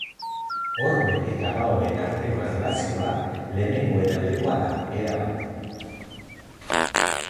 Hormen eta baoen arteko erlazioa lehenengoen aldekoa da, erabat.